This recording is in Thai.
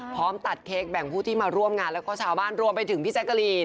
พร้อมตัดเค้กแบ่งผู้ที่มาร่วมงานแล้วก็ชาวบ้านรวมไปถึงพี่แจ๊กกะลีน